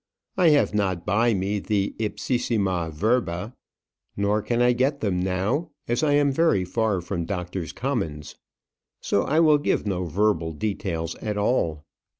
I have not by me the ipsissima verba; nor can I get them now, as I am very far from Doctors' Commons. So I will give no verbal details at all.